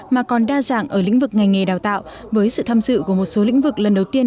mà còn đa dạng ở lĩnh vực ngành nghề đào tạo với sự tham dự của một số lĩnh vực lần đầu tiên